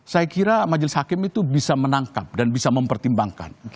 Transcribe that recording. saya kira majelis hakim itu bisa menangkap dan bisa mempertimbangkan